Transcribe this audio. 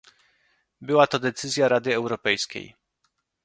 Była to decyzja Rady Europejskiej